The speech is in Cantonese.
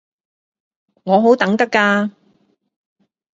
我好等得㗎